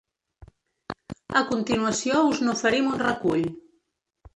A continuació us n’oferim un recull.